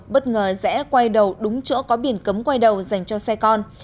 bất ngờ rẽ quay đầu đúng chỗ có biển cấm quay đầu dành cho xe con